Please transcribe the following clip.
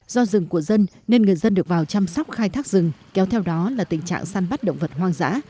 do rừng của dân nên người dân được vào chăm sóc khai thác rừng kéo theo đó là tình trạng săn bắt động vật hoang dã